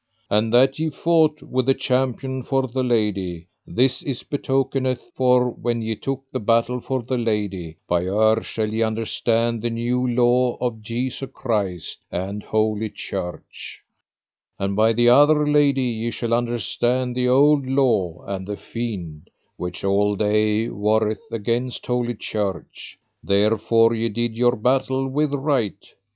And that ye fought with the champion for the lady, this it betokeneth: for when ye took the battle for the lady, by her shall ye understand the new law of Jesu Christ and Holy Church; and by the other lady ye shall understand the old law and the fiend, which all day warreth against Holy Church, therefore ye did your battle with right.